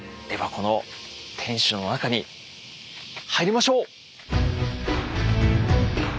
この天守の中に入りましょう！